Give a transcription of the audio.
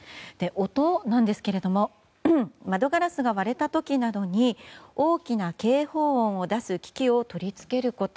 音なんですけれども窓ガラスが割れた時などに大きな警報音を出す機器を取り付けること。